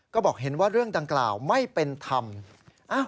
ก็บอกเห็นว่าเรื่องดังกล่าวไม่เป็นธรรม